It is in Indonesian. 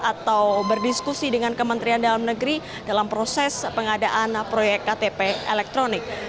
atau berdiskusi dengan kementerian dalam negeri dalam proses pengadaan proyek ktp elektronik